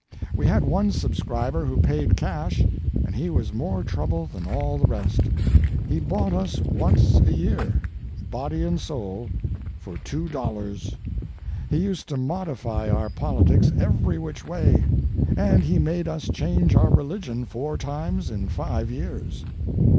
We had one subscriber who paid cash, and he was more trouble than all the rest. He bought us once a year, body and soul, for two dollars. He used to modify our politics every which way, and he made us change our religion four times in five years.